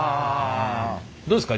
どうですか？